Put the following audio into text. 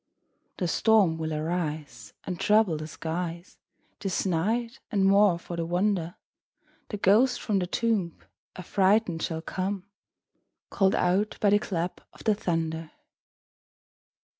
The storm will arise, And trouble the skies This night; and, more for the wonder, The ghost from the tomb Affrighted shall come, Call'd out by the clap of the thunder.